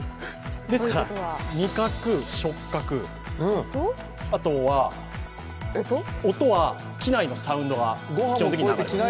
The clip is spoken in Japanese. ですから味覚、触覚あとは音は機内のサウンドが流れている。